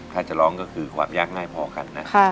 ถ้าจะร้องก็คือความยากง่ายพอกันนะ